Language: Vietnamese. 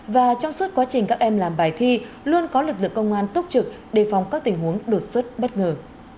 và trong suốt quá trình các em làm bài thi luôn có lực lượng công an túc trực đề phòng các tình huống đột xuất bất ngờ